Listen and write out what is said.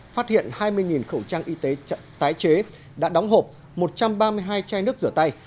phát hiện hai mươi khẩu trang y tế tái chế đã đóng hộp một trăm ba mươi hai chai nước rửa tay